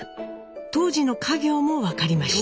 当時の家業も分かりました。